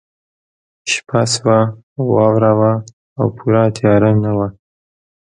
شپه شوه خو واوره وه او پوره تیاره نه وه